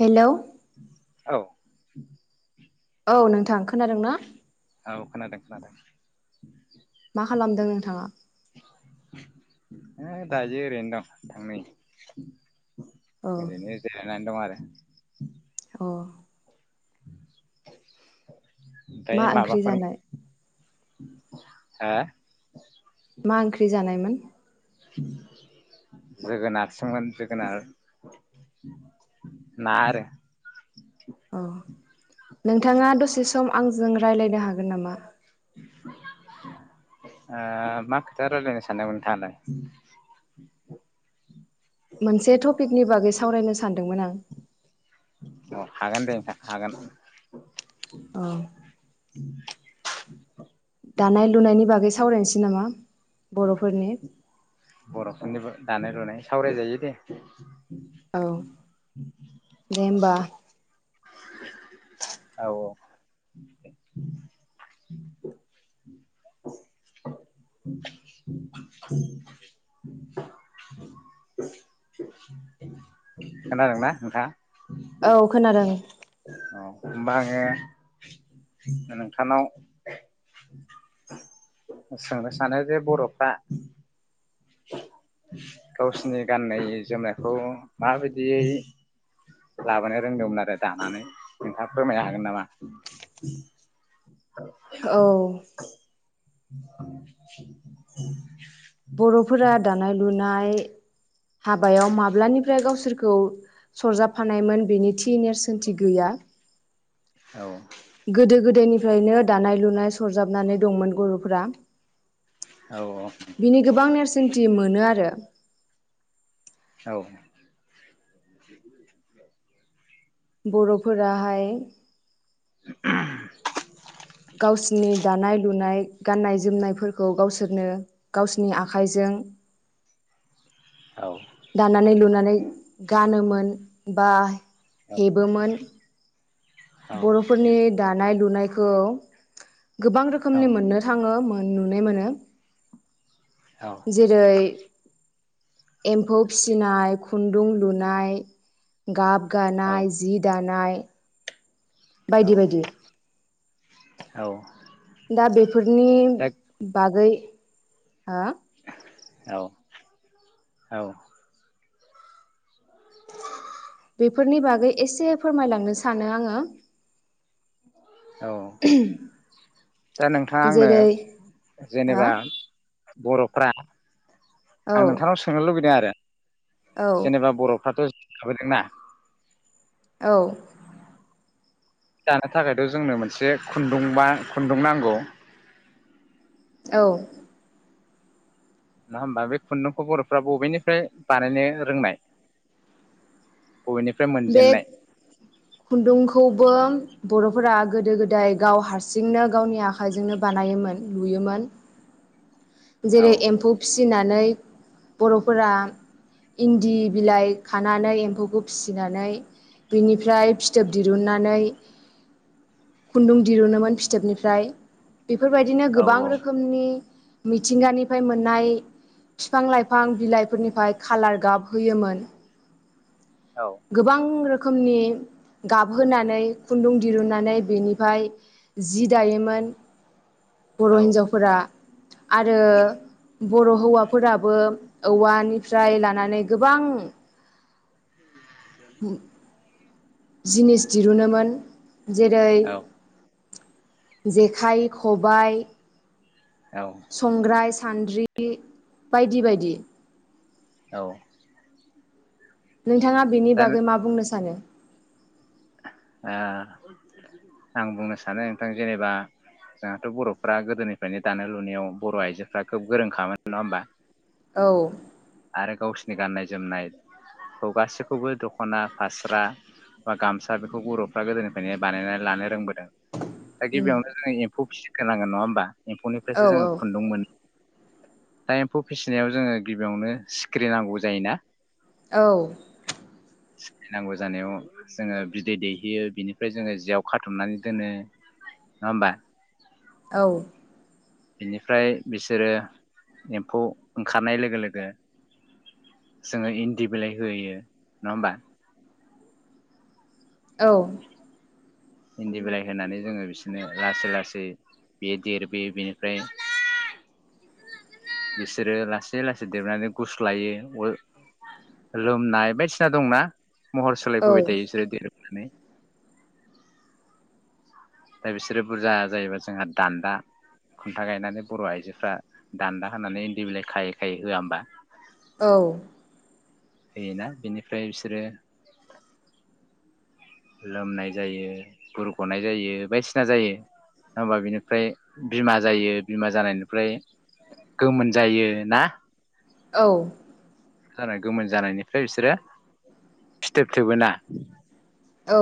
Hello औ औ नोंथां खोनादों ना? औ खोनादों खोनादों मा खालामदों नोंथाङा? हो दायो ओरैनो दं थांनाय औ ओरैनो जिरायनानै दं आरो। अ उम मा ओंख्रि जानाय? हा? मा ओंख्रि जानायमोन? जोगोनारसोमोन जोगोनार ना आरो। औ नोंथाङा दसे सम आंजों रायज्लायनो हागोन नामा? ओ मा खोथा रायलायनो सानदोंमोन नोंथाङालाय? मोनसे टपिकनि बागै सावरायनो सानदोंमोन आं। अ हागोन दे हागोन। औ उम दानाय लुनायनि बागै सावरायनोसै नामा? बर'फोरनि बर'फोरनि दानाय लुनाय सावराय जायो दे। औ दे होमबा। औ औ औ खोनादोंना नोंथां? औ खोनादों होमबा आङो नोंथांनाव सोंनो सानो जे बर'फ्रा गावसिनि गाननाय जोमनायखौ माबायदियै लाबोनो रोंदोंमोन आरो दानानै नोंथाङा फोरमायनो हागोन नामा? औ [inaudible] बर'फोरा दानाय लुनाय हाबायाव माब्लानिफ्राय गावसोरखौ सरजाबफानायमोन बेनि थि नेरसोनथि गैया औ गोदो गोदायनि फ्रायनो दानाय लुनाय सरजाबनानै दंमोन बर'फोरा औ औ बिनि गोबां नेरसोनथि मोनो आरो औ बर'फोराहाय [unintelligible] गावसिनि दानाय लुनाय गाननाय जोमनायफोरखौ गावसोरनो गावसिनि आखाइजों औ दानानै लुनानै गानोमोन बा हेबोमोन बर'फोरनि दानाय लुनाय खौ गोबां रोखोमनि मोननो थाङो नुनाय मोनो जेरै एम्फौ फिसिनाय खुन्दुं लुनाय गाब गानाय जि दानाय [inaudible] बायदि बायदि औ दा बेफोरनि बागै हा औ औ बेफोरनि बागै एसे फोरमायलांनो सानो आङो औ दा नोंथाङा आंनो जेरै हा जेनेबा बर'फ्रा औ आं नोंथांनाव सोंनो लुबैदों आरो औ जेनेबा बर'फ्राथ' [unintelligible] ना औ दानो थाखायथ' जोंनो मोनसे खुन्दुंबा खुन्दुं नांगौ औ नङा होमबा बे खुन्दुंखौ बर'फ्रा बबेनिफ्राय बानायनो रोंनाय बबेनिफ्राय बे मोनजेननाय खुन्दुंखौबो बर'फोरा गोदो गोदाय गाव हारसिंनो गावनि आखाइजोंनो बानायोमोन लुयोमोन‌ औ जेरै एम्फौ फिसिनानै बर'फोरा इन्दि बिलाइ खानानै एम्फौखौ फिसियो। फिसिनानै बिनिफ्राय फिथोब दिरुनानै खुन्दुं दिरुनोमोन फिथोबनिफ्राय। बेफोरबायदिनो औ गोबां रोखोमनि मिथिंगानिफ्राय मोननाय फिफां लाइफां बिलाइफोरनिफ्राय खालार गाब होयोमोन। औ गोबां रोखोम रोखोमनि गाबहोनानै खुन्दुं दिरुनन्नानै बेनिफ्राय जि दायोमोन। औ बर' हिन्जावफोरा। आरो बर' हौवाफोराबो औवानिफ्राय लानानै गोबां ह जिनिस दिरुनोमोन। जेरै जेखाइ खबाय औ संग्राय सान्द्रि बायदि बायदि औ नोंथाङा बेनि दा बागै मा बुंनो सानो ओ आं बुंनो सानो नोंथां जेनेबा जोंहाथ' बर'फ्रा गोदोनिफ्रायनो दानाय लुनायाव बर' आइजोफ्रा खोब गोरोंखामोन नङा होमबा। औ आरो गावसिनि गाननाय जोमनायखौ गासैखौबो दख'ना फास्रा बा गामसा बेखौ बर'फ्रा गोदोनिफ्रायनो बानायनानै लानो रोंबोदों दा उम गिबियावनो जोंङो एम्फौ फिसि होनांगोन नङा होमबा एम्फौनिफ्रायसो औ जोंङो औ खुन्दुं मोन दा एम्फौ फिसिनायाव जोंङो गिबियावनो सिखिरि नांगौ जायोना औ सिखिरि नांगौ जानायाव जोंङो बिदै दैहैयो बिनिफ्राय जोंङो जियाव खाथुमनानै दोनो नङा होमबा औ बेनिफ्राय बिसोरो एम्फौ ओंखारनाय लोगो लोगो जोंङो इन्दि बिलाइ होयो नङा होमबा औ इन्दि बिलाइ होनानै जोंङो बिसोरनो लासै लासै बियो देरबोयो बेनिफ्राय बिसोरो लासै लासै देरनानै गुस्लायो लोमनाय बायदिसिना दंना महर सोलायफैबाय थायो बिसोरो देरोबोनानै दा बिसोरो बुरजा जायोबा जोंहा दान्दा खुन्था गायनानै बर' आइजोफ्रा दान्दा होनानै इन्दि बिलाइ खायै खायै होआ होमबा होयोना बिनिफ्राय बिसोरो लोमनाय जायो बुरख'नाय जायो बायदिसिना जायो नङबा बिनिफ्राय बिमा जायो बिमा जानायनिफ्राय गोमोन जायो ना? औ जानाय गोमोन जानायनिफ्राय बिसोरो फिथोब थोबबोना औ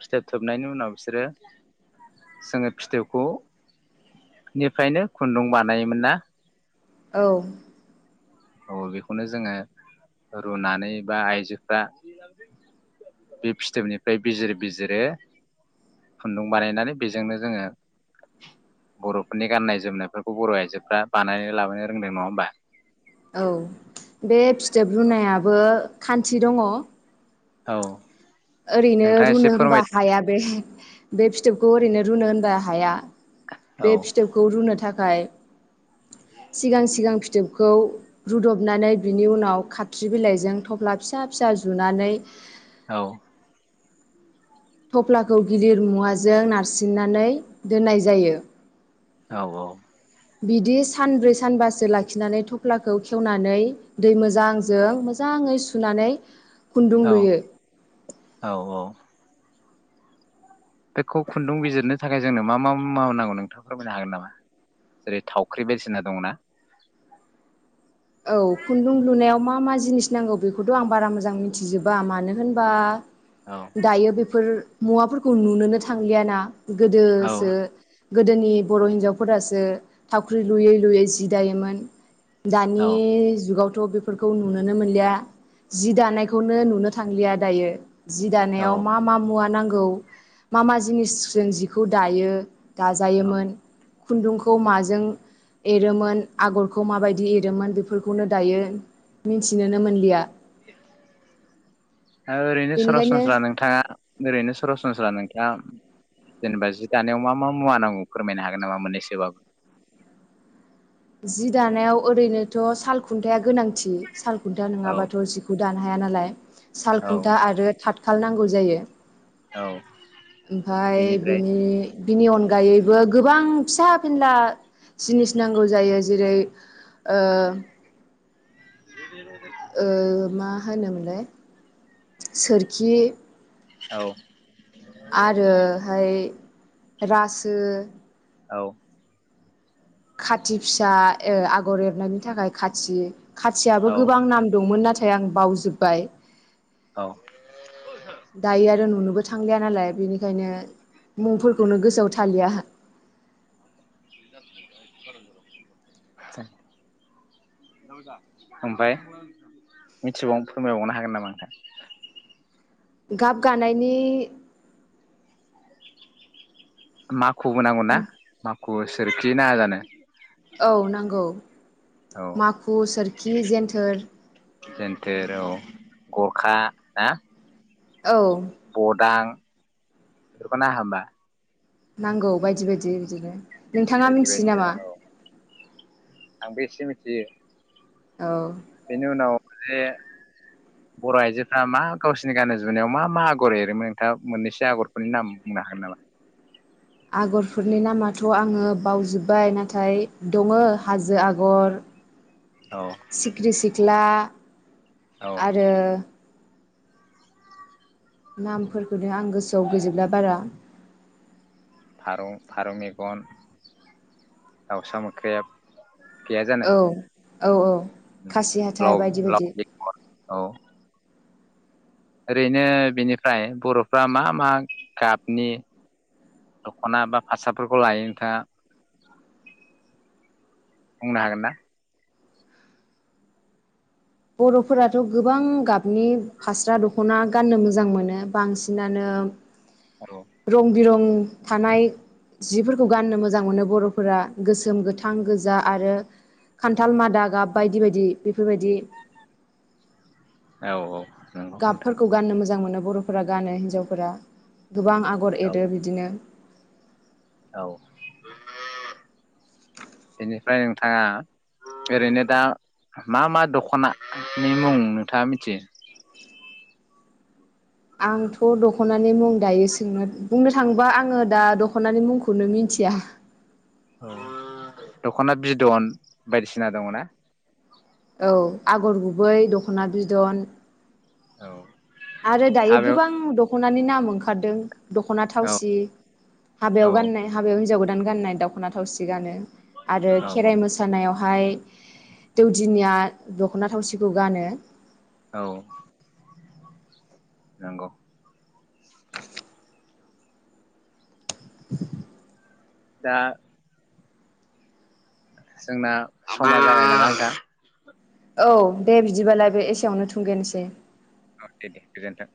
फिथोब थोबनायनि उनाव बिसोरो जोङो फिथोबखौ निफ्रायनो खुन्दुं बानायोमोन ना? औ औ बेखौनो जोङो रुनानै बा आइजोफ्रा बे फिथोबनिफ्राय बिजिर बिजिरो खुन्दुं बानायनानै बेजोंनो जोङो बर'फोरनि गाननाय जोमनायफोरखौ बर' आइजोफ्रा बानायनानै लाबोनो रोंदों नङा होमबा। औ बे फिथोब रुनायाबो खान्थि दङ। औ ओरैनो नोंथाङा एसे रुनो होमबा फोरमाय हाया बे बे फिथोबखौ ओरैनो रुनो होनबा हाया। औ बे फिथोबखौ रुनो थाखा य सिगां सिगां फिथोबखौ रुदबनानै बिनि उनाव खा फख्रि बिलाइजों थफ्ला फि फिसा फिसा जुनानै औ थफ्लाखौ गिदिर मुवाजों नारसिननानै दोननाय जायो। औ औ बिदि सानब्रै सानबासो लाखिनानै थफ्लाखौ खेवनानै दै मोजांजों मोजाङै सुनानै खुन्दुं लुयो। औ औ औ बेखौ खुन्दुं बिजिरनो थाखाय जोंनो मा मा मुवा नांगौ नोंथां फोरमायनो हागोन नामा जेरै थावख्रि बायदिसिना दंना औ खुन्दुं लुनायाव मा मा जिनिस नांगौ बेखौथ' आं बारा मोजां मिथिजोबा मानो होनबा औ दायो बेफोर मुवाफोरखौ नुनोनो थांलियाना। गोदोसो औ गोदोनि बर' हिन्जावफोरासो थावख्रि लुयै लुयै जि दायोमोन। औ बे जुगाव थ' बेफोरखौ नुुनोनो मोनलिया जि दानायखौनो नुनो थांलिया दायो। जि दानायाव औ मा मा मुवा नां गौ मा मा जिनिस जों जिखौ दायो। औ दाजायोमोन। खुन्दुंखौ माजों एरोमोन आगरखौ माबायदि एर मोन बेफोरखौनो दायो मिथिनोनो मोनलिया। ए ओरैनो बेनिखायनो सरासनस्रा नोंथाङा ओरैनो सरासनस्रा नोंथांआ दा जेनेबा जि दानायाव मा मा मुवा नांगौ फोरमायनो हागोन नामा मोननैसोबाबो? जि दानायाव ओरैनो थ' साल खुन्थाया गोनांथि साल खुन्था औ नङाबाथ' जिखौ दानो हाया नालाय। औ सालखुन्था आरो थात खाल नांगौ जायो। औ ओमफाय बेनिफ्राय बिनि बिनि अनगायैबो गोबां फिसा फेनला जिनिस नांगौ। जायो जेरै ओ [inaudible] ओ मा होनोमोनलाय सोरखि औ। आरो हाय रासो औ। खाथि फिसा आगर एरनायनि थाखाय खाथि खाथियाबो औ गोबां नाम दंमोन नाथाय आं बावजोब्बाय। औ दायो आरो नुनोबो थां लियानालाय बेनिखायनो मुंफोरखौनो गोसोआव थालिया आंहा। ओमफाय मिथिबाव फोरमायबावनो हागोन नामा नोंथां। गाब गानायनि मा माखुबो नांगौ ना माखु। सोरखि नाङा जानोे। औ नांगौ औ माखु सोरखि जेन्थोर जेन्थोर औ गरखा ना। औ बडां। बेखौ नाङा होमबा। नांगौ बायदि बायदि बिदिनो। नोंथाङा बायदि मिथियो बायदि नामा? औ आंबो एसे मिथियो। औ। बेनि उनाव जे बर' आइजोफ्रा मा गावसिनि गाननाय जोमनायाव मा मा आगर एरोमोन नोंथाङा मोननैसो आगरफोरनि नाम बुंनो हागोन नामा? आगरफोरनि नामाथ' आङो बावजोब्बाय नाथाय दङ हाजो आगर औ सिखिरि सिख्ला औ आरो नामफोरखौनो आं गोसोआव गैजोबला बारा। फारौ फारौ मेगन दाउसा मोख्रेब। [inaudible] जाना औ औ औ खासि हाथाइ बायदि लाव बायदि बेगर औ ओरैनो बेनिफ्राय बर'फ्रा मा मा गाबनि दख'ना बा फास्राफोरखौ लायो नोंथाङा बुंनो हागोन ना बर'फोराथ' गोबां गाब आनि फास्रा दखना गाननो मोजां मोनो बांसिनानो औ रं बिरं थानाय जिफोरखौ गाननो मोजां मोनो बरफोरा गोसोम गोथां गोजा आरो खान्थाल मादा गाब बायदि बायदि बेफोरबायदि औ औ नंगौ नोंथां गाबफोरखौ गाननो मोजां मोनो बर फोरा गानो हिन्जावफोरा गोबां आगर औ एरो बिदिनो औ बेनिफ्राय नोंथाङा ओरैनो दा मा मा दखनानि [unintelligible] मुं नोंथाङा मिथियो आंथ दखनानि मुं दायो सोंनो बुंनो थाङोबा आङो दा दखनानि मुंखौनो मिथिया दखना बिदन बायदिसिना दङना औ आगर गुबै दखना बिदन औ आरो दायो हाबायाव गोबां द दखनानि नाम ओंखारदों दखना औ थावसि औ हाबायाव गाननाय हाबायाव हिनजाव गो गोदान गाननाय दखना थावसि गानो आरो औ औ खेराइ मोसानायाव हाय दौदिनिया दखना थावसिखौ गानो औ नंगौ [unintelligible] दा जोंना सम आलदा [unintelligible] औ दे बिदिबालाय बे एसेयावनो थुंगेनोसै औ दे दे गोजोन्थों